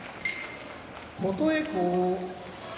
琴恵光